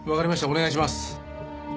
お願いします。